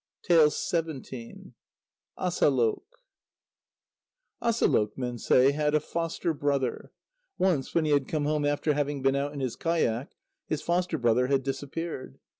ASALÔQ Asalôq, men say, had a foster brother. Once when he had come home after having been out in his kayak, his foster brother had disappeared.